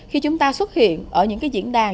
khi chúng ta xuất hiện ở những cái diễn đàn